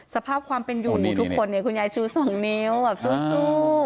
สภาพความเป็นอยู่ทุกคนคุณยายชู้สองนิ้วสู้